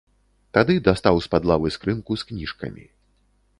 Тады дастаў з-пад лавы скрынку з кніжкамі.